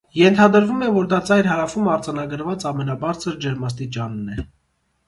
Ենթադրվում է, որ դա ծայր հարավում արձանագրված ամենաբարձր ջերմաստիճանն է։